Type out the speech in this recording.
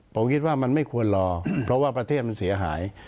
ผมคิดว่ามันไม่ควรรอเพราะว่าประเทศมันเสียหาย